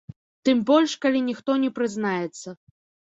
Тым больш калі ніхто не прызнаецца.